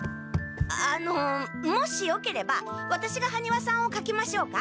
あのもしよければワタシが羽丹羽さんをかきましょうか？